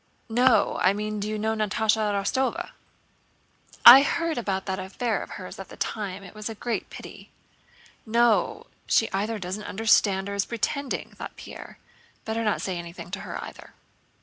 "No; I mean do you know Natásha Rostóva?" "I heard about that affair of hers at the time. It was a great pity." "No, she either doesn't understand or is pretending," thought Pierre. "Better not say anything to her either."